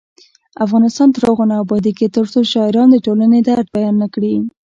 افغانستان تر هغو نه ابادیږي، ترڅو شاعران د ټولنې درد بیان نکړي.